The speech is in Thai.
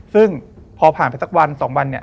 ซึ่งพอผ่านไปสักวัน๒วัน